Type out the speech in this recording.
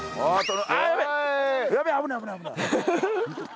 危ない危ない危ない。